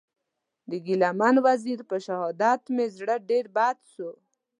د ګیله من وزېر په شهادت مې زړه ډېر بد سو.